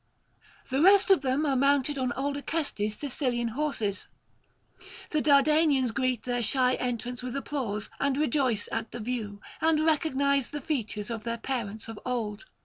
The rest of them are mounted on old Acestes' Sicilian horses. ... The Dardanians greet their shy entrance with applause, and rejoice at the view, and recognise the features of their parents of old.